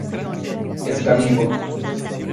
Es carnívoro.